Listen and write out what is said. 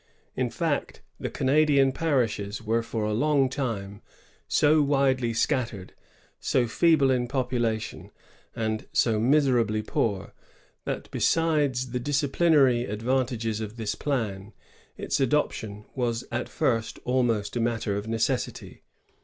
In fact, the Canadian parishes were for a long time so widely scattered, so feeble in popula tion, and so miserably poor, that, besides the disciplin aiy advantageB of this plan, ito adoption was at firat almost a matter of necessity.